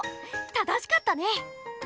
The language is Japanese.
正しかったね！